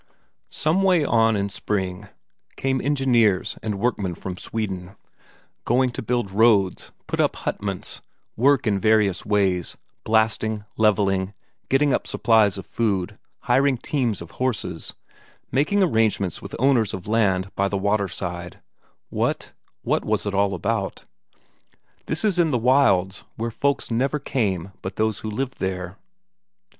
Some way on in spring came engineers and workmen from Sweden; going to build roads, put up hutments, work in various ways, blasting, levelling, getting up supplies of food, hiring teams of horses, making arrangements with owners of land by the waterside; what what was it all about? This is in the wilds, where folk never came but those who lived there?